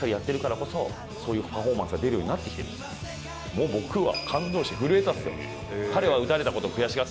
もう僕は。